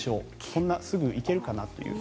そんなすぐいけるかなという。